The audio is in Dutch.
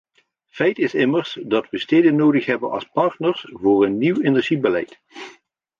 Feit is immers dat we steden nodig hebben als partners voor een nieuw energiebeleid.